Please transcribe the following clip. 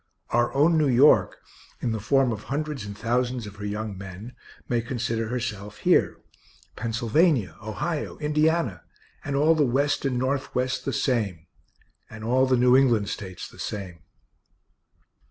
Our own New York, in the form of hundreds and thousands of her young men, may consider herself here Pennsylvania, Ohio, Indiana, and all the West and Northwest the same and all the New England States the same.